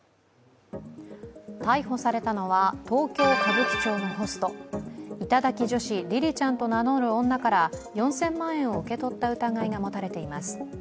逮捕されたのは、東京・歌舞伎町のホスト、頂き女子りりちゃんと名乗る女から４０００万円を受け取った疑いが持たれています。